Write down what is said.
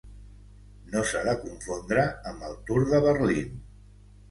No s'ha de confondre amb el Tour de Berlín.